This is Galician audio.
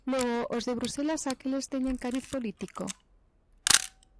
¿Logo os de Bruxelas aqueles teñen cariz político?